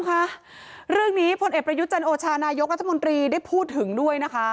คุณผู้ชมค่ะเรื่องนี้พลเอ็ดประยุจรรย์โอชานายกรัฐมนตรีได้พูดถึงด้วยนะคะ